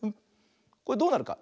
これどうなるか。